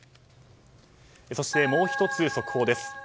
そして、もう１つ速報です。